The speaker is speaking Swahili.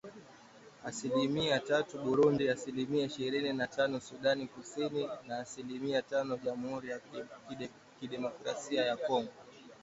Asilimiya tatu Burundi ,asilimia ishirini na tano Sudan Kusini na asilimia tano Jamhuri ya Kidemokrasia ya Kongo